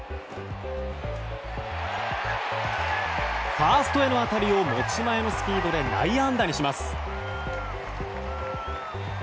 ファーストへの当たりを持ち前のスピードで内野安打にします。